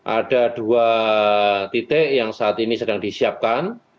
ada dua titik yang saat ini sedang disiapkan